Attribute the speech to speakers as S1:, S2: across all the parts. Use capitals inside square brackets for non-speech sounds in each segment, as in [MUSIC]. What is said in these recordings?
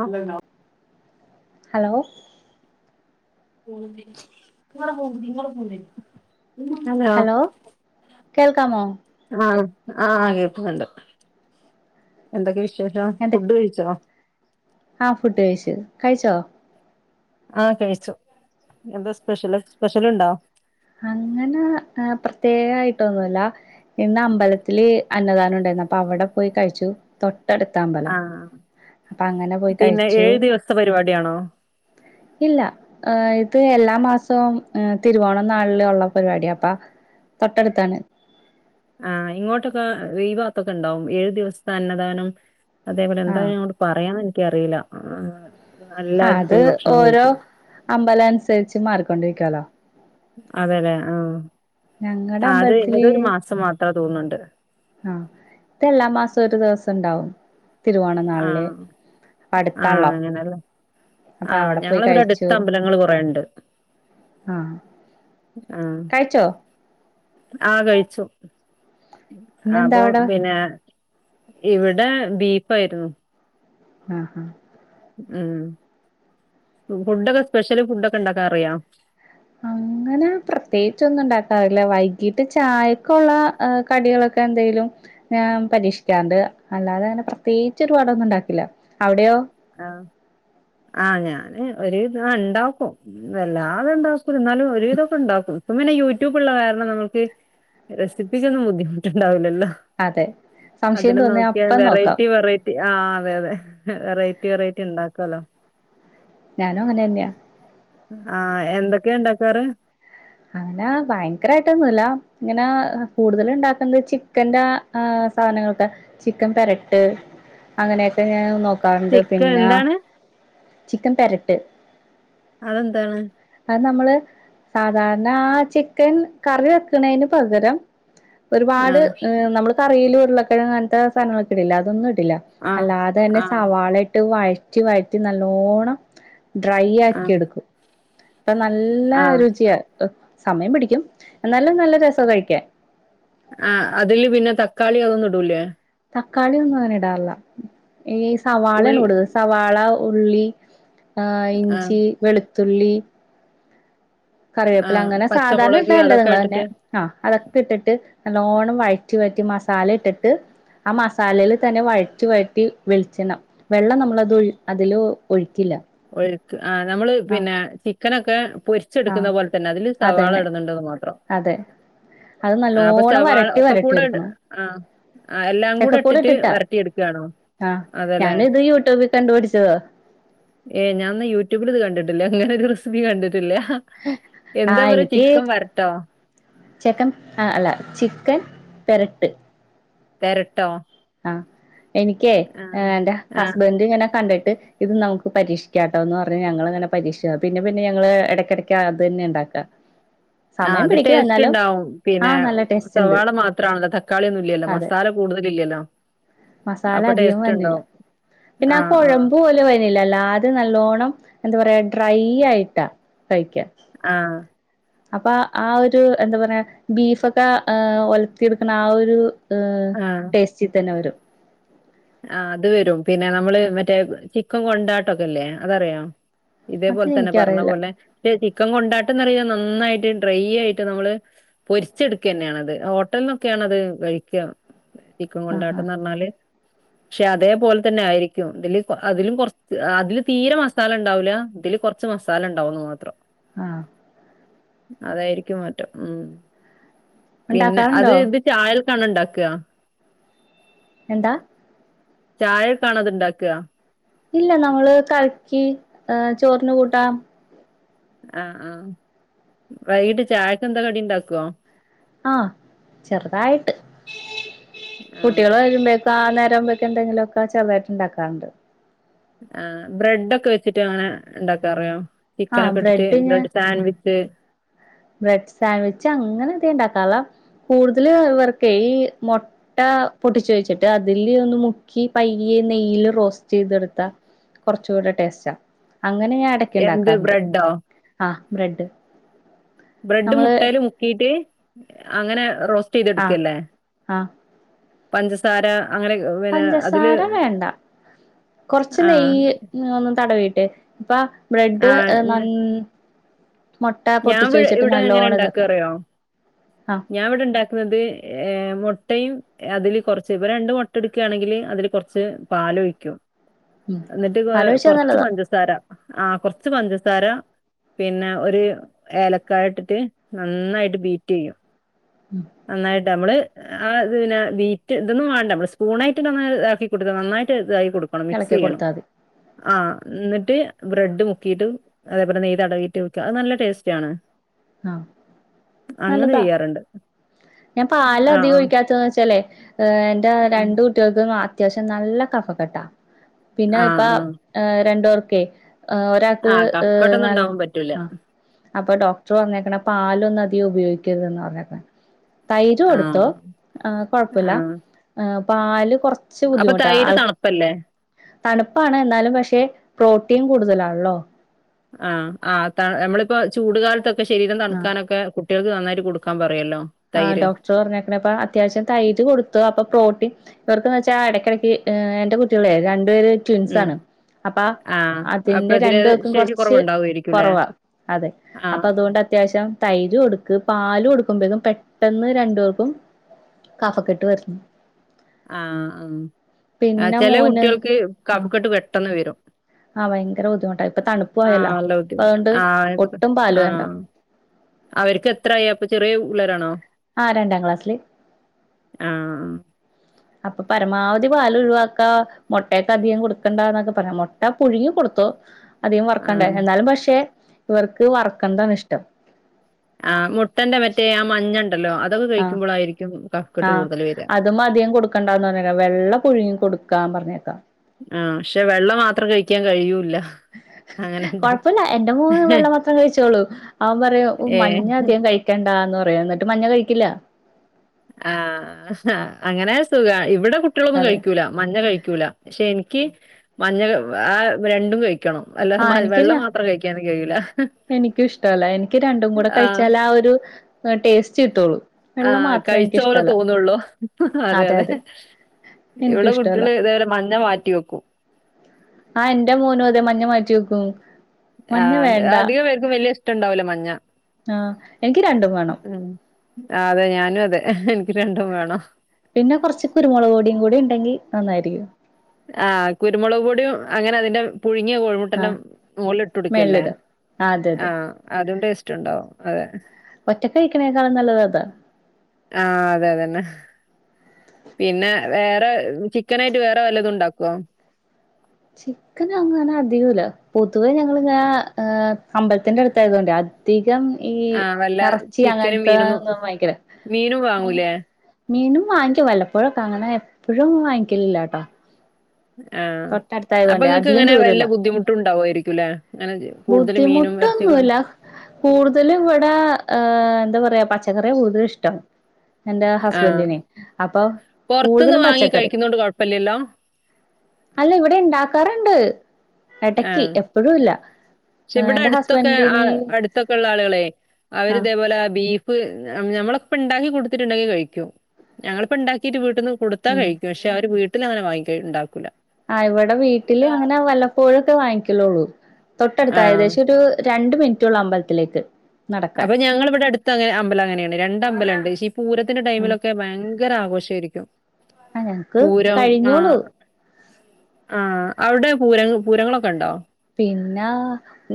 S1: ആണണോ
S2: hello
S1: പോ നിങ്ങെ നിങ്ങളും പോന്നേ നിങ്ങളും പോന്നേ [UNINTELLIGIBLE]
S2: ഹലോ കേൾക്കാമോ
S1: ആ ആ കേക്കുന്നൊണ്ട് എന്തൊക്കെ വിശേഷം
S2: എന്തൊ
S1: ഫുഡ്കഴിച്ചോ
S2: ആ ഫുഡ്കഴിച്ചു കഴിച്ചോ
S1: ആ കഴിച്ചു എന്താസ്പെഷ്യല് സ്പെഷ്യലുണ്ടോ
S2: അങ്ങനെ പ്രത്യേകമായിട്ടൊന്നുല്ലാ ഇന്ന് അമ്പലത്തില് അന്നദാനം ഉണ്ടായിരുന്നു അപ്പൊ അവിടെ പോയികഴിച്ചു തൊ ട്ടടുത്താ അമ്പലം
S1: ആഹ്
S2: അപ്പൊ അങ്ങനെപോയി
S1: പിന്നെ
S2: കഴിച്ചു
S1: ഏഴു ദിവസത്തെ പരിപാടിയാണോ
S2: ഇല്ല ആ ഇത് എല്ലാമാസവും തിരുവോണനാളില് ഒള്ള പരിപാടിയാ അപ്പ തൊട്ടടുത്താണ്
S1: ആ ഇങ്ങോട്ടൊക്കെ ഈ ഭാഗത്തൊക്കെ ഉണ്ടാവും ഏഴു ദിവസത്തെ അന്നദാനം അതേപോലെ
S2: ആ
S1: എന്തായാലു പറയാനെനിക്കറിയില്ലാ
S2: ആ
S1: എല്ലാരും
S2: അത്
S1: പോയിഭക്ഷണം
S2: ഓരോ
S1: കഴിക്കും
S2: അമ്പലം അനുസരിച്ച് മാറിക്കൊണ്ടിരിക്കുവാലോ
S1: അതെല്ലെ ആം
S2: ഞങ്ങടെ
S1: ആ അത്
S2: അമ്പലത്തില്
S1: ഏതോരുമാസം മാത്രാ തോന്നുന്നുണ്ട്
S2: ആ ഇത് എല്ലാമാസവും ഒരുദിവസം ഉണ്ടാവും തിരുവോണനാളില്
S1: ആഹ്
S2: അടുത്താണ്ളോ
S1: ആ ഞങ്ങളവിടെയടുത്ത് അമ്പലങ്ങള് കൊറേയുണ്ട്
S2: ആഹ്
S1: ആ
S2: കഴിച്ചോ
S1: ആ കഴിച്ചു
S2: ഇന്നെന്താ
S1: അപ്പൊ
S2: അവിടെ
S1: പിന്നെ ഇവിടെ ബീഫായിരുന്നു
S2: ആ ഹ
S1: ഉം ഫുഡൊക്കെ സ്പെഷ്യല് ഫുഡൊക്കെ ഉണ്ടാക്കാനറിയാം
S2: അങ്ങനെ പ്രത്യേകിച്ച് ഒന്നും ഉണ്ടാക്കാറില്ല വൈകീട്ട് ചായക്കൊള്ള കടികളൊക്കെ എന്തേലും ഞാൻ പരീക്ഷിക്കാറണ്ട് അല്ലാതെ അങ്ങനെ പ്രത്യേകിച്ച് ഒരുപാടൊന്നും ഉണ്ടാക്കില്ല അവിടെയോ
S1: ആ ആ ഞാന് ഒരുവിധം ഒണ്ടാക്കും വല്ലാതെ ഉണ്ടാക്കൂല എന്നാലും ഒരുവിധൊക്കെ ഒണ്ടാക്കും ഇപ്പം പിന്നെ യൂട്യൂബൊള്ള കാരണം നമുക്ക് റെസിപ്പിക്കൊന്നും ബുദ്ധിമുട്ടുണ്ടാവില്ലല്ലോ
S2: അതെ സംശയം
S1: അതിന്
S2: തോന്നിയ
S1: നോക്കിയാ
S2: അപ്പം നോക്കാം
S1: വെറൈറ്റി വെറൈറ്റി ആ അതെ അതെ വെറൈറ്റി വെറൈറ്റി ഉണ്ടാക്കുവല്ലോ
S2: ഞാനും അങ്ങനെതന്നെയാ
S1: ആ എന്തൊക്കെയാ ഉണ്ടാക്കാറ്
S2: അങ്ങനെ ഭയങ്കരമായിട്ടൊന്നുല്ല ഇങ്ങനെ കൂടുതലൊണ്ടാക്കുന്നത് ചിക്കന്റെ‌ ആ സാധനങ്ങളൊക്കെ ചിക്കൻ പെരട്ട് അങ്ങനെയൊക്കെ ഞാൻ നോക്ക് ക്കാറ്ണ്ട്
S1: ചിക്കൻ
S2: പിന്നെ
S1: എന്താണ്
S2: ചിക്കൻ പെരട്ട്.
S1: അതെന്താണ്?
S2: അത് നമ്മള് ആ ചിക്കൻ കറി വെക്കുന്ണേന് പകരം ഒരുപാട്
S1: ആഹ്
S2: നമ്മള് കറീല് ഉരുളക്കിഴങ് അങ്ങനത്തെ സാധനങ്ങളൊക്കെ ഇടില്ലെ അതൊന്നും ഇടില്ല
S1: ആഹ്
S2: അല്ലാതെന്നെ
S1: ആഹ്
S2: സവാള ഇട്ട് വഴ റ്റി വഴറ്റി നല്ലോണം ഡ്രൈ ആക്കി
S1: ആഹ്
S2: എടുക്കും. അപ്പൊ നല്ല
S1: ആഹ്
S2: രുചിയ സമയം പിടിക്കും ന്നാലും നല്ല രസാ കഴിക്കാൻ.
S1: ആ അതില് പിന്നെ തക്കാളി അതൊന്നും ഇടൂലേ?
S2: തക്കാളി ഒന്നും അങ്ങനെ ഇടാറില്ല ഈ
S1: ഉള്ളി
S2: സവാളേണൂട് സവാള ഉള്ളി ആ
S1: ആഹ്
S2: ഇഞ്ചി വെളുത്തുള്ളി കറിവേപ്പില
S1: ആഹ്
S2: അങ്ങനെ സാധാരണ
S1: പച്ചമുളക്
S2: ഇണ്ടായില്ലോ [UNINTELLIGIBLE]
S1: അതൊക്കെ
S2: നിങ്ങൾ തന്നെ
S1: ഇട്ടിട്ട്
S2: ആഹ് അതൊക്കെ ഇട്ടിട്ട് നല്ലോണം വഴറ്റി വഴറ്റി മസാല ഇട്ടിട്ട് ആ മസാലേല് തന്നെ വഴറ്റി വഴറ്റി വെളിച്ചെണ്ണ വെള്ളം നമ്മള്ത് അതില് ഒഴിക്കില്ല.
S1: ഒഴ്ക്ക് ആ നമ്മള് പിന്നെ ചിക്കനൊക്കെ പൊരി പൊരിച്ചെടുക്കുന്ന
S2: ആഹ്
S1: പോലെ തന്നെ അതില് സവാള
S2: അതന്നെ
S1: ഇടുന്നുണ്ടെന്ന് മാത്രം.
S2: അതെ അത്
S1: ആ അപ്പൊ
S2: നല്ലോണം
S1: സവാള
S2: വരട്ടി
S1: ഒക്കെ
S2: വരട്ടി
S1: കൂടെ
S2: എടുക്കണം
S1: ആ ആ എല്ലാം കൂടെ
S2: ചക്കക്കൂട്
S1: ഇട്ടിട്ട്
S2: ഇട്ടിട്ടാ
S1: വരട്ടി എടുക്കാണോ?
S2: ആഹ് ഞാനിത് യൂട്യൂബി കണ്ടുപടിച്ചതാ.
S1: ഏ ഞാ ന്ന യൂട്യൂബിലിത് കണ്ടിട്ടില്ല ങ്ങനൊരു റെസ് കണ്ടിട്ടില്ല എന്താ പറയാ ചിക്കൻ വരട്ടോ?
S2: ചെക്കം ആ അല്ല ചിക്കൻ പെരട്ട്.
S1: പെരട്ടോ?
S2: ആ എനിക്കേയ് എന്റെ
S1: ആഹ്
S2: ഹസ്ബൻഡ് ങ്ങനെ കണ്ടിട്ട് ഇത് നമുക്ക് പരീക്ഷിക്കാട്ടോ ന്ന്റഞ്ഞ് ഞങ്ങള്ങ്ങനെ പരീക്ഷിച്ചതാ പിന്നെ പിന്നെ ഞങ്ങള് എടയ്ക്കിടയ്ക്ക് അത് തന്നെ ഉണ്ടാക്കാ.
S1: [INAUDIBLE] ആ അത് ടേസ്റ്റ്ണ്ടാവും പിന്നെ
S2: ആഹ് നല്ല ടേസ്റ്റ് ഇണ്ട്
S1: സവാള മാത്രാണല്ലോ തക്കാളി ഒന്നും ഇല്ലാല്ലോ
S2: അതെ
S1: മസാല കൂടുതലില്ലല്ലോ.
S2: മസാല
S1: അപ്പൊ
S2: അധികം
S1: ടേസ്റ്റ്
S2: വന്നില്ല
S1: ഉണ്ടാവും
S2: പിന്നെ ആ
S1: ആഹ് ആഹ്
S2: കുഴമ്പ് പോലെ വ ഇല്ലല്ല ആദ്യം നല്ലോണം എന്താ പറയാ ഡ്രൈ ആയിട്ടാ കഴിക്ക്യ.
S1: ആഹ്
S2: അപ്പൊ ആ ഒരു എന്ത പറയാ ബീഫൊക്കെ ഒലത്തിയെടുക്ക്ണ ആ ഒരു ്
S1: ആഹ്
S2: ടേസ്റ്റീ തന്നെ വരും.
S1: ആ അത് വരും പിന്നെ നമ്മള് മറ്റേ ചിക്കൻ കൊണ്ടാട്ടൊക്കെല്ലേ അതറിയോ?
S2: അത്
S1: ഇതേപോൽ തന്നെ പറഞ്ഞ
S2: എനിക്കറിയില്ല
S1: പോലെ പിന്നെ ചിക്കൻ കൊണ്ടാട്ടന്ന് റീണ് നന്നായിട്ട് ഡ്രൈ ആയിട്ട് നമ്മള് പൊരിച്ചെട്ക്കെന്നേണത് ഹോട്ടൽന്നൊക്കെയാണത് കഴിക്കാ ചിക്കൻ
S2: ആഹാ
S1: കൊണ്ടാട്ടന്ന് ർഞ്ഞാല് പക്ഷെ അതേപോലെ തന്നെ ആയിരിക്കും തില് അതിലും കൊറ അതില് തീരെ മസാല ഉണ്ടാവൂല ഇതില് കുറ കൊറച്ച് മസാല ഉണ്ടാവുന്ന് മാത്രം.
S2: ആഹ്
S1: അതായിരിക്കും മാറ്റം ഉം പിന്നെ അത്
S2: ഇണ്ടാക്കാറുണ്ടോ
S1: ത് ചായക്കാണോ ഉണ്ടാക്കുക [UNINTELLIGIBLE]
S2: എന്താ?
S1: ചായക്കാണോ അത്ണ്ടാക്ക?
S2: ഇല്ല നമ്മള് കറിക്ക് ചോറിന് കൂട്ടാം
S1: ആഹ ആഹ് വൈകീട്ട് ചായക്കന്താ കടിണ്ടാക്കോ?
S2: ആഹ് ചെറുതായിട്ട്
S1: ആ
S2: കുട്ടികള് വരുമ്പെ ആ നേരാവുമ്പൊഴേക്കു ന്തെങ്കിലൊക്കെ ചെറുതായിട്ട് ഉണ്ടാക്കാറുണ്ട്.
S1: ആ ബ്രെഡൊക്കെ വെച്ചിട്ട് അങ്ങനെ ഉണ്ടാക്കാറിയോ?
S2: ആഹ്
S1: ചിക്കനൊക്കെ ട്ടിട്ട്
S2: ഞാൻ
S1: ബ്രെഡ് സാൻവിച്ച്
S2: ബ്രെഡ് സാൻവിച്ച് അങ്ങനെ അധികം ഉണ്ടാക്കാറില്ല കൂടുതൽ ഇവർക്കേ ഈ മുട്ട പൊട്ടിച്ചൊഴിച്ചിട്ട് അതില് ഒന്ന് മുക്കി പയ്യെ നെയ്യില് റോസ്റ്റീതെടുത്താ കൊറച്ചൂടെ ടേസ്റ്റാ അങ്ങനെ ഞാൻ എടക്ക്
S1: എന്ത്
S2: ണ്ടാക്കാറുണ്ട്
S1: ബ്രെഡോ
S2: ആഹ് ബ്രെഡ്.
S1: ബ്രെഡ്
S2: നമ്മള്
S1: മുട്ടെല് മുക്കീട്ട് അങ്ങനെ റോസ്റ്റ്
S2: ആഹ്
S1: ചെയ്തെടുക്കല്ലേ?
S2: ആഹ്
S1: പഞ്ചസാര അങ്ങനെക്കെ
S2: പഞ്ചസാര വേണ്ട കൊറച്ച്
S1: ആ
S2: നെയ്യ് ഒന്ന് തടവിട്ട് പ്പ
S1: ആ
S2: ബ്രെഡ് ഉം നൽ
S1: ന-
S2: മുട്ട
S1: ഞാൻ
S2: പൊട്ടിച്ച
S1: ഇവി
S2: ഒഴിച്ചിട്ട്
S1: ഇവിടെ എങ്ങനെ
S2: നല്ലോണം ഇതാക്ക.
S1: ഉണ്ടാക്കാ അറിയോ [INAUDIBLE] ഞാൻ ഇവടെ ണ്ടാക്ക്ണത് ഏഹ് മുട്ടയും അതില് കുറച്ച് ഇപ്പ രണ്ട് മുട്ട എട്ക്കാണെങ്കിൽ അതില് കൊർച്ച് പാലൊഴിക്കും
S2: ഉം
S1: എന്നിട്ട് കൊ
S2: പാലൊഴിച്ചാ
S1: കൊറച്ച്
S2: നല്ലതാ
S1: പഞ്ചസാര ആഹ് കൊറച്ച് പഞ്ചസാര പിന്നെ ഒര് ഏലക്കായിട്ടിട്ട് നന്നായിട്ട് ബീറ്റ് യ്യും.
S2: ഉം
S1: നന്നായിട്ട് നമ്മള് ആഹ് ത് പിന്നെ വീറ്റ് ഇതൊന്നും വേണ്ട നമ്മള് സ്പൂണായിട്ട്ന്ന ഇതാക്കിടുക്ക നന്നായിട്ട് ഇതാക്കി കൊടു ല്ലോണം മിക്സ്
S2: എളക്കി
S1: യ്യണം.
S2: കൊടുത്താ മതി
S1: ആഹ് ന്നട്ട് ബ്രെഡ് മുക്കിയിട്ടും അതേപോലെ നെയ് തടവിയിട്ട് വക്ക അത് നല്ല ടേസ് ട്ടാണ്
S2: ആഹ്
S1: അങ്ങനെ
S2: നല്ലതാ
S1: ചെയ്യാറുണ്ട്
S2: ഞാൻ പാല്
S1: ആ
S2: അധികം ഒഴിക്കാത്തന്ന് വെച്ചാലേ ഹ് ന്റെ
S1: ആ
S2: രണ്ടു റ്റോൽക്ക് അത്യാവശ്യം നല്ല കഫക്കെട്ട പിന്നെ
S1: ആ
S2: ഇപ്പ
S1: ആ
S2: ഹ് രണ്ടോർക്കെ ആഹ് ഒരാൾക്ക്
S1: ആ
S2: ഹ്
S1: കഫക്കെട്ടൊന്നും
S2: നൽ
S1: ഉണ്ടാവാൻ പറ്റൂല
S2: ആഹ് അപ്പ ഡോക്ടർ പറഞ്ഞേക്ക്ണേ പാലൊന്നും അധികം ഉപയോഗിക്കരുതന്ന് പർഞ്ഞേക്ക. തൈര്
S1: ആ
S2: കൊടുത്തോ ആഹ്
S1: ആ
S2: കൊഴപ്പല്ല ഹ് പാല് കൊർ ച്ച്
S1: അപ്പൊ
S2: ബുദ്ധിമുട്ടാ
S1: തൈര്
S2: അഹ്
S1: തണുപ്പല്ലേ
S2: തണുപ്പാണ് എന്നാലും പക്ഷെ പ്രോട്ടീൻ കൂടുതലാണല്ലോ.
S1: ആഹ് ആഹ് ത നമ്മളിപ്പോ ചൂടുകാലത്തൊക്കെ ശരീരം
S2: ആഹ്
S1: തണുക്കാനൊക്കെ കു ട്ടിയേൾക്ക് നന്നായിട്ട് കൊടുക്കാൻ പറയല്ലോ.
S2: ആഹ്
S1: തൈര്
S2: ഡോക്ടർ പറഞ്ഞേക്ക്ണ അപ്പ അത്യാവശ്യം തൈര് കൊടുത്തോ അപ്പ പ്രോട്ടീൻ ഇവർക്കന്ന് വെച്ചാ എടക്കിടക്ക് ഹ് എന്റെ കുട്ടികളെ രണ്ടുപേര്
S1: ഉം
S2: ട്വിൻസാണ്. അപ്പ
S1: ആ ആ
S2: അതിന്റെ രണ്ട്
S1: പ്രതിരോധ
S2: ക്കും
S1: ശേഷി
S2: കൊർച്ച് കൊറവാ അതെ
S1: ആഹ്
S2: അപ്പൊ അതുകൊണ്ട് അത്യാവശ്യം തൈര് കൊടുക്ക് പാൽ കൊടുക്കുമ്പഴേക്കും പെ ട്ടെന്ന് രണ്ടുപേർക്കും കഫക്കെട്ട് വരുന്നു.
S1: ആഹ് ആഹ് ആഹ്
S2: പിന്നെ
S1: ചെല
S2: മോന്
S1: കുട്ടിയൾക്ക്
S2: ആഹ്
S1: കഫക്കെട്ട് പെട്ടെന്ന് വരും.
S2: ആഹ് ഭയങ്കര ബുദ്ധിമുട്ടാ ഇപ്പൊ തണുപ്പുമായല്ലോ
S1: ആഹ്
S2: അപ്പൊ
S1: [UNINTELLIGIBLE]
S2: അതുകൊണ്ട്
S1: ആഹ്
S2: ഒട്ടും പാല് വേണ്ട
S1: ആഹ് അവർക്ക് എത്ര ആയി അപ്പ ചെറിയ ഉള്ളവരാണോ?
S2: ആഹ് രണ്ടാം ക്ലാസ്സില്
S1: ആഹ്
S2: അപ്പ പരമാവധി പാൽ ഒഴിവാക്ക മുട്ടയൊക്കെ അധികം കൊടുക്കണ്ടന്നൊക്കെ പറഞ്ഞു മുട്ട പുഴുങ്ങി കൊടുത്തു. അധികം
S1: ആ
S2: വർക്കണ്ടേ എന്നാലും പക്ഷേ ഇവർക്ക് വറക്കേണ്ടതാണ് ഇഷ്ടം.
S1: ആഹ് മുട്ടന്റെ മറ്റേ ആഹ് മഞ്ഞണ്ടല്ലോ അതൊക്കെ
S2: ആഹ്
S1: കഴിക്കുമ്പോളായിരിക്കും ക
S2: ആഹ് അതും മധികം കൊടുക്കണ്ടാന്ന് പറഞ്ഞര വെള്ള പുഴുങ്ങി കൊടുക്കാ പറഞ്ഞേക്കാം.
S1: ആഹ് പക്ഷെ വെള്ള മാത്രം കഴിക്കാൻ കഴിയൂല്ല.
S2: കൊഴപ്പല്ല എന്റെ മൂ വെള്ള മാത്രം കഴിച്ചോളൂ അവൻ പറയും
S1: ഏ
S2: മഞ്ഞ അധികം കഴി ക്കണ്ടാന്ന് പറയും എന്നിട്ട് മഞ്ഞ കഴിക്കില്ല.
S1: ആഹ് അങ്ങനെ സുഖ ഇവിടെ കുട്ടികളൊന്നും
S2: അതെ
S1: കഴിക്കൂല. മഞ്ഞ കഴിക്കൂല പക്ഷെ എനിക്ക് മഞ്ഞ ആഹ് രണ്ടും കഴി ക്കണം അല്ലാതെ മ വെള്ളം മാത്രം കഴിക്കാനും കഴിയൂല.
S2: എനിക്കു ഇഷ്ടമല്ല എനിക്ക് രണ്ടും കൂടെ
S1: ആ
S2: കഴിച്ചാലാ ആഹ് ഒരു ടേസ്റ്റ് കിട്ടുള്ളൂ. വെള്ള
S1: ആഹ്
S2: മാത്രം
S1: കഴിച്ച പോലെ
S2: എനിക്കിഷ്ടല്ല
S1: തോന്നുള്ളൂ അതെ അതെ
S2: എനിക്കും
S1: ഇവിടെ
S2: ഇഷ്ടല്ല
S1: കുട്ടികള് ഇതേപോലെ മഞ്ഞ മാറ്റി വെക്കും
S2: ആഹ് എന്റെ മോനും അതെ മഞ്ഞ മാറ്റി വെക്കും മഞ്ഞ
S1: ആഹ്
S2: വേണ്ട
S1: അധികം പേർക്കും വല്ല്യ ഇഷ്ടം ഇണ്ടാവില്ല മഞ്ഞ
S2: ആഹ് എനിക്ക് രണ്ടും വേണം
S1: ഉം. ആഹ് അതെ ഞാനും അതെ എനിക്ക് രണ്ടും വേണം
S2: പിന്നെ കുറച്ച് കുരുമുളക് പൊടിയും കൂടി ഉണ്ടെങ്കിൽ നന്നായിരിക്കും
S1: ആഹ് കുരുമുളക് പൊടിയും അങ്ങനെ അതിന്റെ പുഴുങ്ങിയ
S2: ആ
S1: കോഴിമുട്ടേന്റെ മുകളില് ഇട്ട് കൊടുക്കയല്ലേ
S2: മേളിലിടാ അതെ
S1: ആ
S2: അതെ
S1: അതും ടേ സ്റ്റുണ്ടാവും അതെ
S2: ഒറ്റക്ക് കഴിക്കണേക്കാളും നല്ലത് അതാ
S1: ആ അതെ അത് തന്നെ പിന്നെ വേറെ ചിക്കനായിട്ട് വേ റേ വല്ലതും ഉണ്ടാക്കുവോ
S2: ചിക്കന് അങ്ങനെ അധികമില്ല പൊതുവേ ഞങ്ങൾ ഇങ്ങനെ അമ്പലത്തിന്റെ അടുത്തായതുകൊണ്ടേ അധികം ഈ
S1: ആഹ് വല്ല
S2: ഇറച്ചി
S1: ചിക്കനും
S2: അങ്ങനത്തെ
S1: മീനൊന്നും
S2: ഒന്നും വാങ്ങിക്കൂല
S1: മീനും
S2: മീ
S1: വാങ്ങൂലേ?
S2: മീനും വാങ്ങിക്കും വല്ലപ്പോഴുമൊക്കെ അങ്ങനെ എപ്പഴും വാങ്ങിക്കലില്ല കേട്ടോ
S1: ആഹ് അപ്പൊ
S2: കൊണ്ടേ
S1: നിങ്ങക്ക്
S2: അധികം
S1: ഇങ്ങനെ വല്ല
S2: ദൂരല്ല
S1: ബുദ്ധിമുട്ട് ഉണ്ടാവുവായിരിക്കും അല്ലേ അങ്ങനെ കൂടുതൽ മീനും ഇറച്ചിയുമൊക്കെ ഒ
S2: കൂടുതലും ഇവിടെ ആ എന്താ പറയാ പച്ചക്കറിയാ കൂടുതലും ഇഷ്ടം എന്റെ
S1: ആഹ്.
S2: ഹസ്ബഡിനെ അപ്പൊ
S1: പുറത്തുനിന്ന്
S2: കൂടുതലും
S1: വാങ്ങി
S2: പച്ചക്കറി
S1: [UNINTELLIGIBLE]
S2: അല്ല ഇവിടെ ഉണ്ടാക്കാറുണ്ട്
S1: ആ
S2: ഇടക്ക് എപ്പഴും ഇല്ല
S1: പക്ഷെ ഇവിടെ
S2: എന്റെ
S1: അടുത്തൊക്കെ ആ
S2: ഹസ്ബൻഡിന്
S1: അടുത്തൊക്കെ ഉള്ള ആളുകളെ അവര്
S2: ആ
S1: ഇതേപോലെ ബീ ഫ് നമ്മളിപ്പ ഉണ്ടാക്കി കൊടുത്തിട്ടുണ്ടെങ്കി കഴിക്കും ഞങ്ങളിപ്പ ഉണ്ടാക്കിട്ട് വീട്ടീന്ന് കൊടുത്താ
S2: ഉം
S1: കഴിക്കും പക്ഷെ അവര് വീട്ടിൽ അങ്ങനെ വാങ്ങിക്ക ഉണ്ടാക്കൂല്ല
S2: ആഹ് ഇവിടെ വീട്ടില് അങ്ങനെ വല്ലപ്പോഴൊക്കെ വാങ്ങിക്കലുള്ളൂ
S1: ആ
S2: തൊട്ടടുത്താ ഏകദേശം ഒരു രണ്ട മിനിറ്റേ ഉള്ളൂ അമ്പലത്തിലേക്ക് നടക്കാൻ
S1: അപ്പൊ ഞങ്ങള് ഇവിടെ അടുത്തെക്കെ അമ്പലം അങ്ങനെയാണ് രണ്ട് അമ്പലം ഉണ്ട് പക്ഷെ ഈ പൂരത്തിന്റെ ടൈമിലൊക്കെ ഭയങ്കര ആഘോഷമായിരിക്കും
S2: ആ ഞങ്ങക്ക്
S1: പൂരം
S2: കഴിഞ്ഞോളൂ
S1: ആഹ് ആഹ് അവിടെ പൂരങ്ങ പൂരങ്ങളൊക്കെ ഉണ്ടോ
S2: പിന്നാ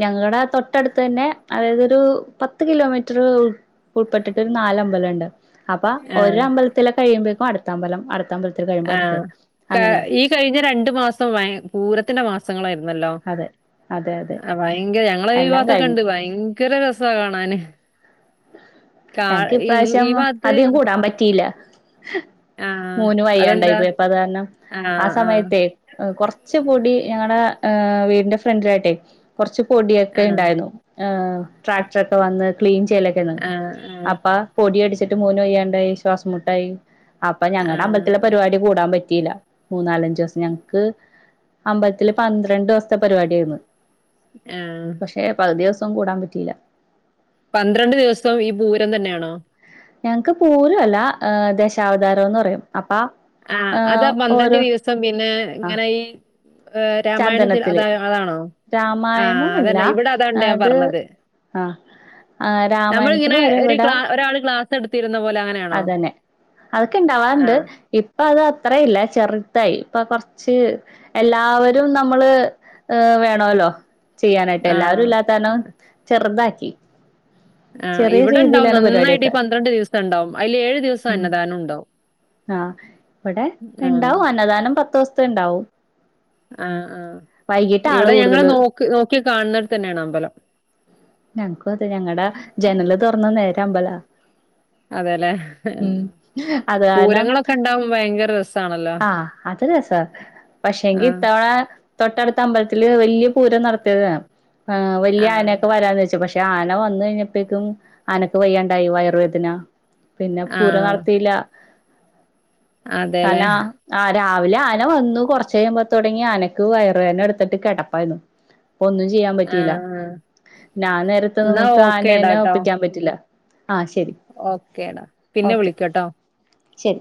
S2: ഞങ്ങളുടെ തൊട്ടടുത്ത് തന്നെ അതായത് ഒരു പത്ത് കിലോമീറ്ററ് ഉൾപ്പെട്ടിട്ട് ഒരു നാല് അമ്പലം ഉണ്ട് അപ്പൊ
S1: ആ
S2: ഒര് അമ്പലത്തിലെ കഴിയുമ്പഴേക്കും അടുത്ത അമ്പലം അടുത്ത അമ്പല ത്തിലെ കഴിയുമ്പോ
S1: ആ
S2: അടുത്തത്
S1: ക-
S2: അങ്ങനെയാ
S1: ഈ കഴിഞ്ഞ രണ്ട് മാസം ഭയ പൂരത്തിന്റെ മാ സങ്ങളായിരുന്നല്ലോ
S2: അതെ അതെ അതെ
S1: ഭയങ്കര ഞങ്ങള് ഈ
S2: എല്ലാം
S1: ഭാഗത്തൊക്കെ
S2: കഴിഞ്ഞു
S1: ഉണ്ട് ഭയ ങ്കര രസവാ കാണാന് കാ
S2: എനക്ക്
S1: ഈ
S2: ഇപ്രാവശ്യം
S1: ഈ ഭാഗത്ത്
S2: അധികം കൂടാൻ പറ്റിയില്ല
S1: ആഹ്
S2: മോന് വയ്യണ്ടായി
S1: അതെന്താ?
S2: പോയി അപ്പൊ അത് കാരണം ആ
S1: ആഹ് ആഹ്
S2: സമയത്തെ കൊറച്ച് പൊടി ഞങ്ങടെ വീടിന്റെ ഫ്രണ്ടിലായിട്ടെ കുറച്ച് പൊടിയൊക്കെ
S1: ആഹ്
S2: ഉണ്ടായിരുന്നു ഏ ട്രാക്ടറൊക്കെ വന്ന് ക്ലീൻ ചെയ്യലൊ ക്കെയാണ്
S1: ആഹ്
S2: അപ്പൊ പൊടിയടിച്ചിട്ട് മോന് വയ്യാണ്ടായി ശ്വാസം മുട്ടായി അപ്പൊ
S1: ആഹ്
S2: ഞങ്ങടെ അമ്പലത്തിലെ
S1: ആഹ്
S2: പരിപാടി കൂടാൻ പറ്റിയില്ല മൂന്നാലഞ്ചു ദിവസം ഞങ്ങക്ക് അമ്പലത്തില് പന്ത്രണ്ട് ദിവസത്തെ പരിപാടി ആയിരുന്നു
S1: ആഹ്
S2: പക്ഷെ പകുതി ദിവസവും കൂടാൻ പറ്റിയില്ല
S1: പന്ത്രണ്ട് ദിവസവും ഈ പൂരം തന്നെയാണോ
S2: ഞങ്ങക്ക് പൂരം അല്ല ദശാവതാരം എന്ന് പറയും അപ്പ
S1: ആഹ് അതാ പന്ത്രണ്ട് ദിവസം പിന്നെ
S2: ആ
S1: ഇങ്ങനെ ഈ ഏ രാമായണം ചൊ അത
S2: ചന്ദനത്തില്
S1: അതാണോ ആ
S2: രാമായണം അല്ല
S1: അതന്നെ ഇവിടെ അതൊണ്ട് ഞാൻ
S2: അത്
S1: പറഞ്ഞത്
S2: ആഹ് ആ രാമായണത്തിന്
S1: നമ്മളിങ്ങനെ
S2: പകരം
S1: ഒരു
S2: ഇവിടേ
S1: ക്ലാ ഒരാള് ക്ലാസ് എടുത്തിരുന്ന പോലെ അനെ
S2: അതന്നെ അതൊക്കെ ഉണ്ടാവാറുണ്ട്
S1: ആഹ്
S2: അപ്പ അത് അത്രയില്ല ചെറുതായി ഇപ്പൊ കൊറച്ച് എല്ലാവരും നമ്മള് ഏർ വേണല്ലോ ചെയ്യാനായിട്ട് എല്ലാരും
S1: ആഹ്
S2: ഇല്ലാത്താനോ ചെറുതാക്കി
S1: ആഹ്
S2: ചെറിയ
S1: ഇവിടെണ്ടാവും
S2: രീതിയിലാണ്
S1: നന്നായിട്ട് ഈ
S2: പരിപാടിയൊക്കെ
S1: പന്ത്രണ്ട് ദിവസം ഉണ്ടാവും അയ്ല് ഏഴു ദിവസം
S2: ഉം
S1: അന്നദാനം ഉണ്ടാവും
S2: ആഹ് ഇവിടെ
S1: ആഹ്
S2: ഉണ്ടാവും അന്നദാനം പത്ത് ദിവസത്തെ ഇണ്ടാവും
S1: ആഹ് ആഹ്
S2: വൈകീട്ട് ആള്
S1: ഇവിടെ ഞങ്ങള്
S2: കൂടുതല്
S1: നോ നോക്കി കാണുന്നട്തന്നെയാണ് അമ്പലം
S2: ഞങ്ങക്കും അതെ ഞങ്ങടെ ജനല് തുറന്ന നേരെ അമ്പലാ
S1: അതെല്ലെ
S2: ഉം അത് കാരണം
S1: പൂരങ്ങളൊക്കെ ഉണ്ടകുമ്പോ ഭയങ്കര രസണല്ലോ
S2: ആഹ് അത് രസാ പക്ഷെങ്കിത്തവണ തൊട്ടടുത്ത അമ്പലത്തില് വല്ല്യ പൂരം നടത്തിയതാണ് വലിയ ആന
S1: ആഹ്.
S2: വരാന്ന് വെച് പക്ഷെ ആന വന്നു കഴിഞ്ഞപ്പേക്കും ആനക്ക് വയ്യാണ്ടായി വയർവേദന. പിന്നെ പൂരം
S1: ആഹ്.
S2: നടത്തില്ല
S1: അതേല്ലേ.
S2: കാരണം. ആഹ് രാവിലെ ആന വന്നു കുറച് കഴിയുമ്പോ തുടങ്ങി ആനക്ക് വയറ് വേദന എടുത്തിട്ട് കിടപ്പായിരുന്നു. അപ്പൊ ഒന്നും ചെയ്യാൻ പറ്റിയില്ല.
S1: ആഹ്.
S2: ഞാൻ നേരത്തെ
S1: എന്നാ
S2: നമുക്ക്
S1: ഓക്കേടാ
S2: ആനനെ
S1: ട്ടോ.
S2: ഒപ്പിക്കാൻ പറ്റില്ല ആഹ് ശരി.
S1: ഓക്കേടാ പിന്നെ
S2: ഓക്കെ
S1: വിളിക്കട്ടോ.
S2: ശരി